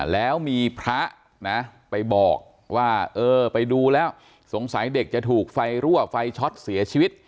แล้วมีพระนะไปบอกว่าเออไปดูแล้วสงสัยเด็กจะถูกไฟรั่วไฟช็อตเสียชีวิต